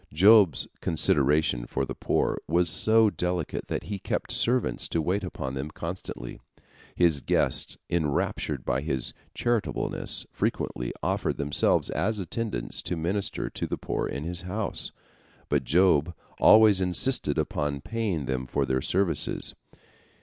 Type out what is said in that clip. Job's consideration for the poor was so delicate that he kept servants to wait upon them constantly. His guests, enraptured by his charitableness, frequently offered themselves as attendants to minister to the poor in his house, but Job always insisted upon paying them for their services.